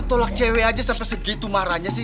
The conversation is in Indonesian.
lo tolak cewek aja sampe segitu marahnya sih